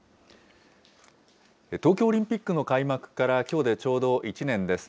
東京オリンピックの開幕からきょうでちょうど１年です。